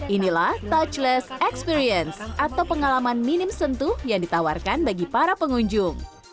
inilah touchless experience atau pengalaman minim sentuh yang ditawarkan bagi para pengunjung